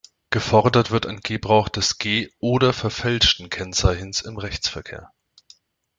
Gefordert wird ein Gebrauch des ge- oder verfälschten Kennzeichens im Rechtsverkehr.